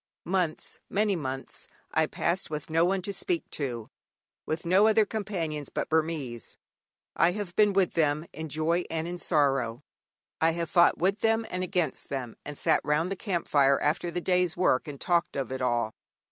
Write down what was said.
Months, very many months, I passed with no one to speak to, with no other companions but Burmese. I have been with them in joy and in sorrow, I have fought with them and against them, and sat round the camp fire after the day's work and talked of it all.